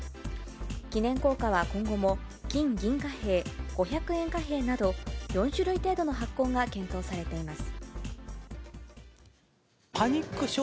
記念硬貨は今後も、金・銀貨幣、五百円貨幣など、４種類程度の発行が検討されています。